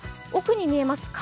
奥に見えます